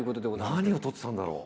何を撮ってたんだろう。